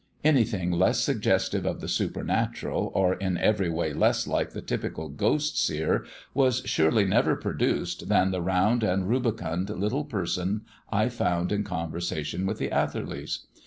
Anything less suggestive of the supernatural, or in every way less like the typical ghost seer, was surely never produced than the round and rubicund little person I found in conversation with the Atherleys.